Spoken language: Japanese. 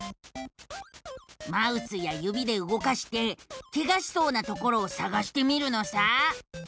マウスやゆびでうごかしてケガしそうなところをさがしてみるのさ。